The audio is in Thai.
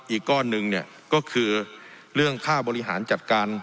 อีกก้อนหนึ่งเนี่ยก็คือเรื่องค่าบริหารจัดการ